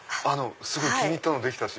すごい気に入ったのできたし。